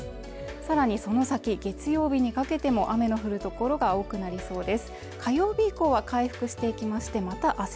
さらにその先月曜日にかけても雨の降るところが多くなりそうです。